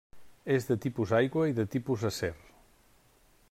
És de tipus aigua i de tipus acer.